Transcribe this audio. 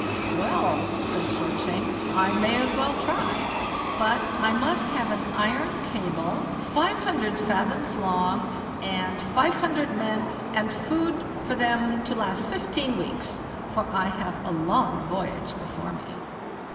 "Well", said Shortshanks, "I may as well try; but I must have an iron cable, five hundred fathoms long, and five hundred men, and food for them to last fifteen weeks, for I have a long voyage before me."